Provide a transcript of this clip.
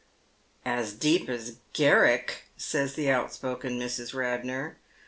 " As deep as Garrick," says the outspoken Mrs. Radnor.